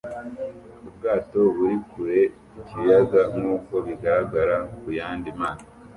Ubwato buri kure ku kiyaga nkuko bigaragara ku yandi mato